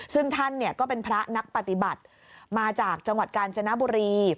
ซึ่งท่านก็เป็นพระนักปฏิบัติมาจากจังหวัดกาญจนบุรี